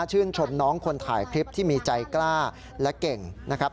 ชื่นชมน้องคนถ่ายคลิปที่มีใจกล้าและเก่งนะครับ